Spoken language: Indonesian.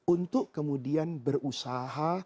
untuk kemudian berusaha